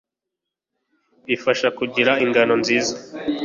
bifasha kugira ingano nziza